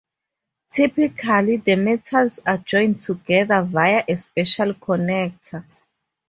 Typically, the metals are joined together via a special connector.